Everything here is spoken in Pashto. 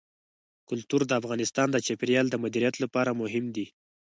کلتور د افغانستان د چاپیریال د مدیریت لپاره مهم دي.